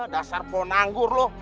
dasar po nanggur lu